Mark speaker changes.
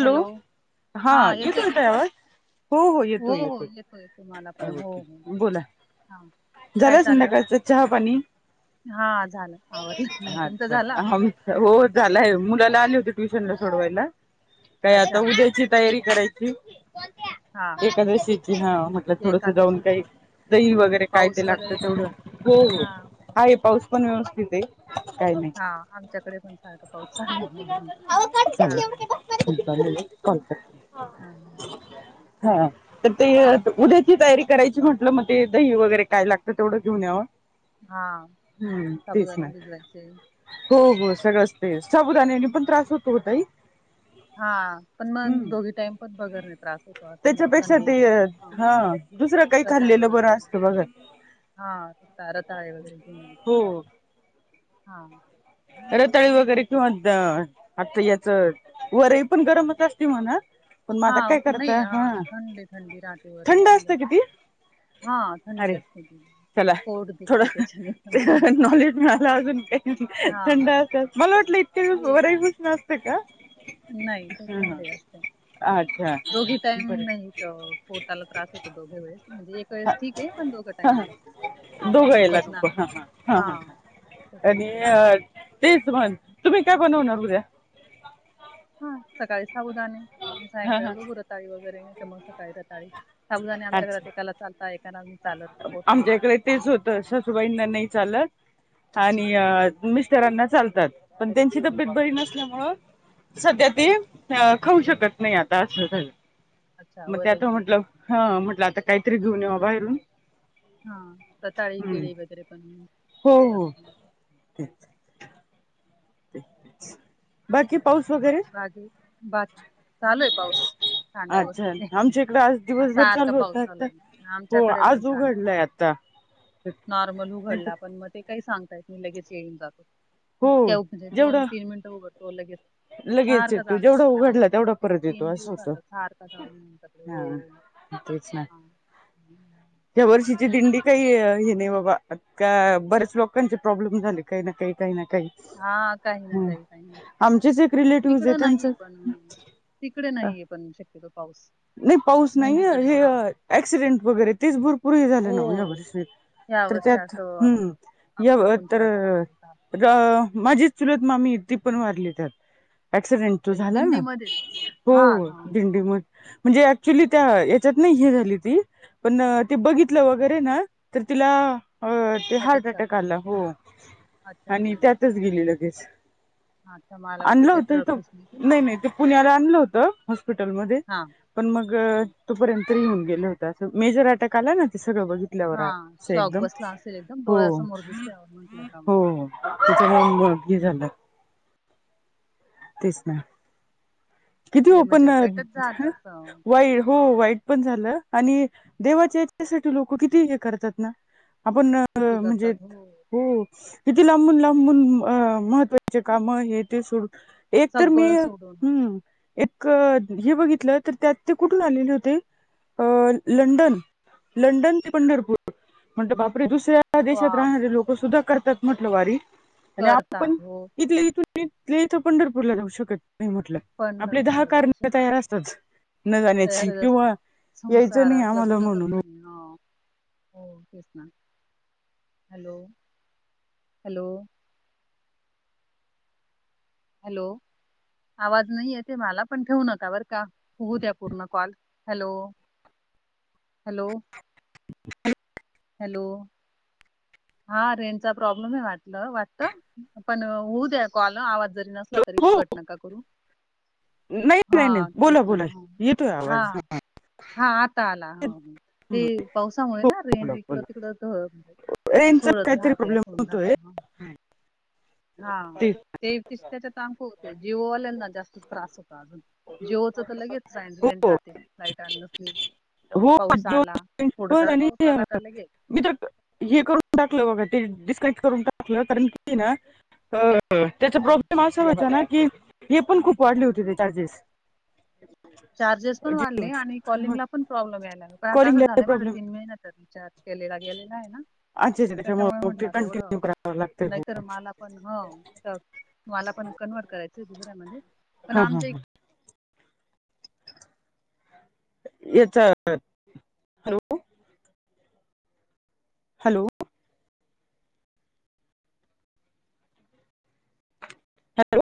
Speaker 1: Hello हा येतोय का आवाज
Speaker 2: हो
Speaker 1: हो
Speaker 2: येतोय
Speaker 1: हो
Speaker 2: येतोय
Speaker 1: येतो येतो मला पण हो
Speaker 2: ओके
Speaker 1: हो
Speaker 2: बोला
Speaker 1: हा
Speaker 2: झालं का संध्याकाळचं चहा पाणी
Speaker 1: हां, झालं आवरलं. तुमचं
Speaker 2: अच्छा
Speaker 1: झाला?
Speaker 2: हम हो झालंय मुलाला आले होते ट्युशनला सोडवायला काय आता
Speaker 1: अच्छा हां.
Speaker 2: उद्याची तयारी करायची
Speaker 1: हां, हां.
Speaker 2: एकादशीची हा म्हटलं थोडंसं जाऊन
Speaker 1: एकादशी
Speaker 2: काही दही वगैरे काय ते
Speaker 1: पाऊस
Speaker 2: लागतं
Speaker 1: वगैरे काय?
Speaker 2: तेवढं हो हो
Speaker 1: हां,
Speaker 2: आहे पाऊस पण व्यवस्थित आहे काही नाही
Speaker 1: हां. आमच्याकडे पण सारखा पाऊस चालू आहे. हां. हां, हां.
Speaker 2: [unintelligible] हां तर ते उद्याची तयारी करायची म्हंटलं मग ते दही वगैरे काय लागतं तेवढं घेऊन यावं
Speaker 1: हां
Speaker 2: हम्म तेच
Speaker 1: साबुदाणे
Speaker 2: ना
Speaker 1: भिजवायचे आहे.
Speaker 2: हो हो सगळंच ते साबुदाण्यानी पण
Speaker 1: हां,
Speaker 2: त्रास होतो ओ ताई.
Speaker 1: हां पण मग
Speaker 2: हम्म
Speaker 1: दोघी टाइम पण भगर त्रास होतो
Speaker 2: त्याच्यापेक्षा ते
Speaker 1: थंडीत.
Speaker 2: हा दुसरं काही खाल्लेलं बरं असतं बघा.
Speaker 1: हां रताळे वगैरे घेऊन
Speaker 2: हो
Speaker 1: हां.
Speaker 2: रताळी वगैरे किंवा आता याच वरी पण गरमच असते म्हणा. पण मग आता काय
Speaker 1: हां नाही
Speaker 2: करता हा
Speaker 1: हां थंडी थंडी राहते वरी
Speaker 2: थंड
Speaker 1: पण
Speaker 2: असतं कि
Speaker 1: जास्त.
Speaker 2: ती
Speaker 1: हां थंडी
Speaker 2: अरे
Speaker 1: असते ती.
Speaker 2: चला
Speaker 1: पोट दुखतं त्याच्याने पण हं.
Speaker 2: थोडं नॉलेज मिळाला अजून काही.
Speaker 1: हां.
Speaker 2: थंड असतात मला वाटलं इतके दिवस
Speaker 1: हे
Speaker 2: वरी उष्ण असते का.
Speaker 1: नाही ते
Speaker 2: ह
Speaker 1: थंडे असते ते,
Speaker 2: अच्छा
Speaker 1: दोघी टाइम
Speaker 2: बरं.
Speaker 1: नाही. तर पोटाला त्रास होतो दोघे वेळेस म्हणजे एक वेळेस ठीक आहे, पण दोघं
Speaker 2: हा
Speaker 1: टाइमला
Speaker 2: दोघं याला नको हां हां
Speaker 1: पचन
Speaker 2: आणि
Speaker 1: क्रियेला.
Speaker 2: तेच म्हण तुम्ही काय बनवणार उद्या?
Speaker 1: हां सकाळी साबुदाणे.
Speaker 2: हां
Speaker 1: सायंकाळी
Speaker 2: हां
Speaker 1: बघू रताळी वगैरे तर मग सकाळी रताळी साबुदाणे आमच्या घरात
Speaker 2: अच्छा
Speaker 1: एकाला चालत एका ना नाही चालत पोटू ना
Speaker 2: तर
Speaker 1: हां,
Speaker 2: सासूबाईंना नाही चालत. आणि मिस्टरांना चालतात पण त्यांची तब्येत बरी नसल्यामुळं सध्या ते खाऊ शकत नाही आता असं
Speaker 1: अच्छा
Speaker 2: मग त्यात
Speaker 1: वरळी
Speaker 2: म्हटलं हां म्हटलं आता काहीतरी घेऊन यावं बाहेरून.
Speaker 1: हां रताळी,
Speaker 2: हम्म
Speaker 1: केळी वगैरे पण
Speaker 2: हो
Speaker 1: चालत
Speaker 2: हो. बाकी पाऊस वगैरे?
Speaker 1: बाकी चालू आहे पाऊस. छान
Speaker 2: अच्छा
Speaker 1: व्यवस्थित आहे
Speaker 2: आमच्या इकडे आज
Speaker 1: हा
Speaker 2: दिवसभर
Speaker 1: सारखं पाऊस
Speaker 2: होता
Speaker 1: चालू
Speaker 2: आता
Speaker 1: आहे,
Speaker 2: हो
Speaker 1: आमच्याकडे पण
Speaker 2: आज
Speaker 1: सारखं
Speaker 2: उघडलाय
Speaker 1: चालू आहे.
Speaker 2: आता
Speaker 1: नॉर्मल
Speaker 2: नाही तर
Speaker 1: उघडला पण म ते काही सांगता येत नाही लगेच येऊन जातो,
Speaker 2: हो
Speaker 1: इतक्या म्हणजे दोन
Speaker 2: जेवढं
Speaker 1: तीन मिनिट उघडतो लगेच
Speaker 2: लगेच
Speaker 1: सारखा
Speaker 2: येतो
Speaker 1: चालू आहे
Speaker 2: जेवढा
Speaker 1: आमच्याकडे तर
Speaker 2: उघडला तेवढा परत येतो
Speaker 1: तीन
Speaker 2: असं होत
Speaker 1: दिवसाचा सारखा चालू आहे आमच्याकडे हो
Speaker 2: हां. तेच ना.
Speaker 1: [inaudible]
Speaker 2: या वर्षीची दिंडी काही हे नाही बाबा आ का बऱ्याच लोकांचे प्रॉब्लेम झाले काही ना काही काही ना काही.
Speaker 1: हां काही ना काही काही ना काही.
Speaker 2: जे एक रिलेटिव्ह आहे त्यांच
Speaker 1: तिकडे नाहीये पण शक्यतो पाऊस.
Speaker 2: नाही पाऊस नाहीये
Speaker 1: दिंडीकडे
Speaker 2: हे
Speaker 1: हा
Speaker 2: ऍक्सिडेंट वगैरे तेच भरपूर झालं ना
Speaker 1: हो
Speaker 2: यावर्षी.
Speaker 1: या
Speaker 2: तर
Speaker 1: वर्षी
Speaker 2: त्यात
Speaker 1: असं आप-
Speaker 2: हम्म या
Speaker 1: आपटकून सारखं
Speaker 2: तर
Speaker 1: होता
Speaker 2: माझीच चुलत मामी ती पण वारली त्यात ऍक्सिडेंट तो
Speaker 1: काही
Speaker 2: झाला ना
Speaker 1: दिंडीमध्येच हा
Speaker 2: हो
Speaker 1: हा
Speaker 2: दिंडी म म्हणजे ऍक्च्युली त्या याच्यात नाही हे झाली ती. पण ते बघितलं वगैरे ना तर तिला अ ते हार्ट अटॅक आला हो
Speaker 1: अच्छा
Speaker 2: आणि
Speaker 1: हा
Speaker 2: त्यातच गेली लगेच.
Speaker 1: अच्छा मला वाटलं
Speaker 2: आणलं
Speaker 1: ते
Speaker 2: होत
Speaker 1: ट्रक
Speaker 2: इथ
Speaker 1: घुसली होती ना
Speaker 2: नाही नाही ते पुण्याला आणलं होत हॉस्पिटलमध्ये-
Speaker 1: हा
Speaker 2: पण मग
Speaker 1: हा
Speaker 2: तोपर्यंत येिहन गेल होत मेजर अटॅक आला ना ते सगळं बघित-
Speaker 1: हा
Speaker 2: उठल्यावरअस
Speaker 1: शॉक
Speaker 2: एकदम
Speaker 1: बसला असेल एकदम
Speaker 2: हो,
Speaker 1: डोळ्यासमोर दिसल्यावर म्हटलं का मग
Speaker 2: हो, तिचं ना मुगी झालं. [unintelligible] तेच ना किती हो
Speaker 1: ते म्हणजे
Speaker 2: पण
Speaker 1: वाईटच झालं असं
Speaker 2: वाईट हो वाईट. पण झालं आणि देवाच्या, याच्यासाठी लोक किती हे करतात ना. आपण
Speaker 1: किती
Speaker 2: म्हणजे
Speaker 1: करतात
Speaker 2: हो. किती लांबून, लांबून, अ महत्त्वाचे काम हे ते सोड. एक तर मी
Speaker 1: सगळं सोडून
Speaker 2: हम्म एक हे बघितलं तर त्यात ते कुठून आलेल ओ तेई. अ लंडन, लंडन ते पंढरपूर म्हण बापरे दुसऱ्या- पर देशात
Speaker 1: बाप
Speaker 2: राहणारे लोक
Speaker 1: रे.
Speaker 2: सुद्धा करतात म्हटलं वारी आणि
Speaker 1: करतात
Speaker 2: आपण
Speaker 1: हो
Speaker 2: इथ इथ इथल्या इथं पंढरपूरला जाऊ शकत नाही म्हटलं आपले दहा
Speaker 1: पंढरपूरला जाऊ
Speaker 2: कारन
Speaker 1: शक
Speaker 2: तयार असतात. न जाण्याची
Speaker 1: तयारच असतात
Speaker 2: किंवा यायचं नाही आम्हाला म्हणून
Speaker 1: हो- हो तेच ना. हॅलो हॅलो हॅलो आवाज नाही यत मला पण ठेवू नका बर का होऊ द्या पूर्ण कॉल हॅलो- हॅलो
Speaker 2: ह [unintelligible]
Speaker 1: हॅलो हा रेंजचा प्रॉब्लेम आहे वाटलं वाटत पण होऊ द्या कॉल आवाज जरी नसला तरी
Speaker 2: हो
Speaker 1: कट नका करू.
Speaker 2: नाही नाही नाही
Speaker 1: हा तेच
Speaker 2: बोला
Speaker 1: ना
Speaker 2: बोला येतोय
Speaker 1: हा.
Speaker 2: आवाज
Speaker 1: हा आता आला ह ते पावसामुळे ना
Speaker 2: बोला
Speaker 1: रेंज इकडं
Speaker 2: बोला
Speaker 1: तिकड
Speaker 2: यांचा
Speaker 1: सोडत
Speaker 2: काहीतरी
Speaker 1: राहते स
Speaker 2: प्रॉब्लेम होतोय
Speaker 1: हा ते. जओल्यांना जास्त त्रास होत अजून जिओ तर लगेच
Speaker 2: हो
Speaker 1: राें- [unintelligible] ईट आण नस
Speaker 2: हो
Speaker 1: पाऊस
Speaker 2: जो
Speaker 1: आला
Speaker 2: पण
Speaker 1: थोडसा
Speaker 2: आणि
Speaker 1: पाऊस आला का लगेल.
Speaker 2: मी तर हे करून टाकलं बघा ते डिस्कनेक्ट करून टाकलं कारण की ना त्याचा प्रॉब्लेम असा होता ना की हे पण खूप वाढले होती ते चार्जेस.
Speaker 1: चार्जेस पण वाढले आणि
Speaker 2: जिओचे
Speaker 1: कॉलिंगला पण प्रॉब्लेम यायला लाग पण आता असं
Speaker 2: कॉलिंगला
Speaker 1: झालंय माझा
Speaker 2: प्रॉब्लेम
Speaker 1: तीन महिन तर विचार केलेला गेलेला आहे ना.
Speaker 2: अच्छा अच्छा
Speaker 1: त्याच्यामुळे
Speaker 2: मग ते
Speaker 1: म्हंटलं एवढं
Speaker 2: कंटिन्यू करावं लागतंय.
Speaker 1: नाहीतर मला पण हो मला पण कन्वर्ट करायचं दुऱ्यामध्ये पण
Speaker 2: हा हा
Speaker 1: आमच्या
Speaker 2: हा याचा हॅलो हॅलो हॅलो